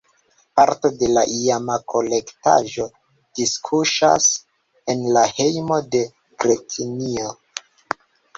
Parto de la iama kolektaĵo diskuŝas en la hejmo de Gretinjo.